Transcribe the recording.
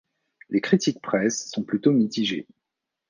Les critiques presse sont plutôt mitigées.